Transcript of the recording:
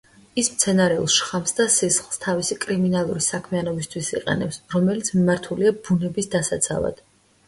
ის მცენარეულ შხამს და სისხლს, თავისი კრიმინალური საქმიანობისთვის იყენებს, რომელიც მიმართულია ბუნების დასაცავად.